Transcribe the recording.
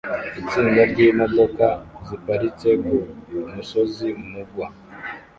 Itsinda ryimodoka ziparitse kumusozi mugwa